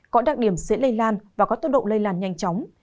có đặc điểm dễ lây lan và có tốc độ lây lan nhanh chóng